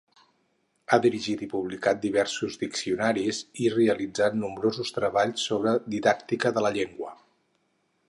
Ha dirigit i publicat diversos diccionaris i realitzat nombrosos treballs sobre didàctica de la llengua.